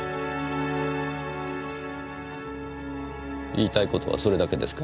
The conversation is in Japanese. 言いたいことはそれだけですか？